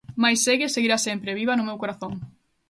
Mais segue, seguirá sempre, viva no meu corazón.